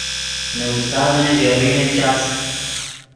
نے استازن ژے روین چاس